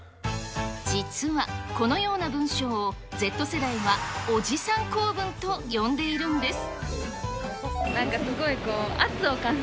実は、このような文章をＺ世代はおじさん構文と呼んでいるんです。